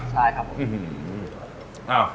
ใช่ครับผม